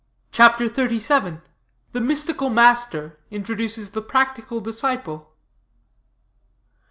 CHAPTER XXXVII THE MYSTICAL MASTER INTRODUCES THE PRACTICAL DISCIPLE.